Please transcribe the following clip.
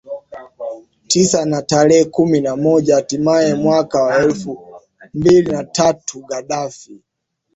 tisa na tarehe kumi na moja Hatimaye mwaka wa elfu mbili na tatu Gaddafi